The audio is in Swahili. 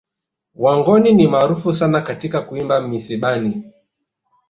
Wangoni ni maarufu sana katika kuimba misibani